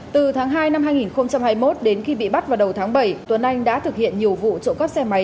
từ tháng hai năm hai nghìn hai mươi một đến khi bị bắt vào đầu tháng bảy tuấn anh đã thực hiện nhiều vụ trộm cắp xe máy